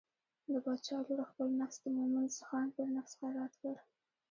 د باچا لور خپل نفس د مومن خان پر نفس خیرات کړ.